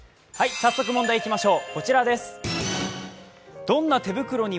早速問題いきましょう。